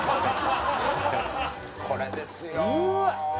これですようわ！